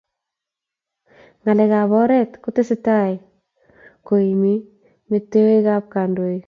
ngalekab oret kotesetai ku iime metewekab kandoik